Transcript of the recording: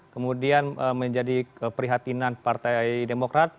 kemudian menjadi keprihatinan partai demokrat